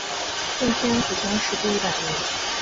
顺天府乡试第一百名。